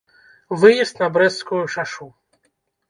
Выезд на брэсцкую шашу.